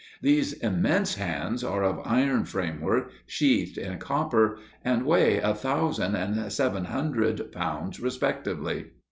These immense hands are of iron framework, sheathed in copper, and weigh 1000 and 700 pounds respectively.